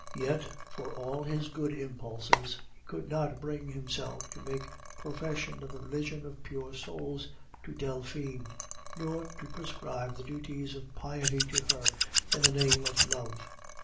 Yet, for all his good impulses, he could not bring himself to make profession of the religion of pure souls to Delphine, nor to prescribe the duties of piety to her in the name of love.